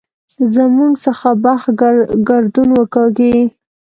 زموږ څخه بخت ګردون وکاږي.